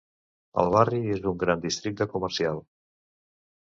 El barri és un gran districte comercial.